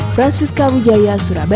francisca wijaya surabaya